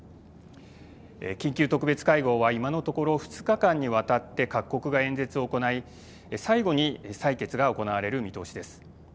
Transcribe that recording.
緊急特別会合は今のところ２日間にわたって各国が演説を行い最後に採決が行われる見通しです。